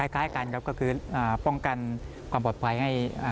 คล้ายกันครับก็คือป้องกันความปลอดภัยให้